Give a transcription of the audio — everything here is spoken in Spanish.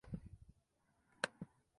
Se licenció, finalmente, en medicina en Kiel.